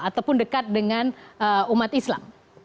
ataupun dekat dengan umat islam